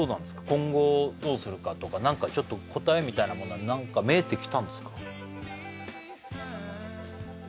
今後どうするかとか何かちょっと答えみたいなものは何か見えてきたんですか？